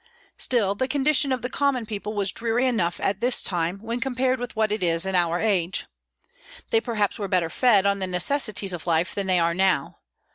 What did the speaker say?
Still, the condition of the common people was dreary enough at this time, when compared with what it is in our age. They perhaps were better fed on the necessities of life than they are now.